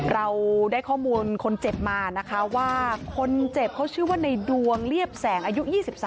เราได้ข้อมูลคนเจ็บมานะคะว่าคนเจ็บเขาชื่อว่าในดวงเรียบแสงอายุ๒๓